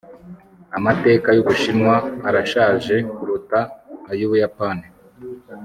amateka y'ubushinwa arashaje kuruta ay'ubuyapani